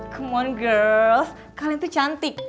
come on girls kalian tuh cantik